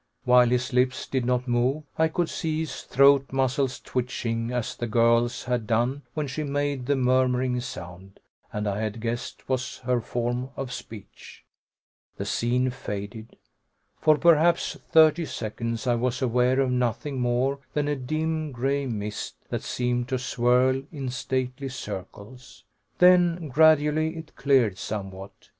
While his lips did not move, I could see his throat muscles twitching as the girl's had done when she made the murmuring sound I had guessed was her form of speech. The scene faded. For perhaps thirty seconds I was aware of nothing more than a dim gray mist that seemed to swirl in stately circles. Then, gradually, it cleared somewhat.